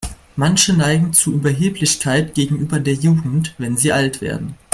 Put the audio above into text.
Manche neigen zu Überheblichkeit gegenüber der Jugend, wenn sie alt werden.